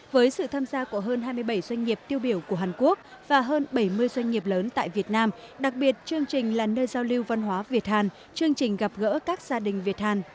với sự tham gia của hơn hai mươi bảy doanh nghiệp tiêu biểu của hàn quốc và hơn bảy mươi doanh nghiệp lớn tại việt nam đặc biệt chương trình là nơi giao lưu văn hóa việt hàn chương trình gặp gỡ các gia đình việt hàn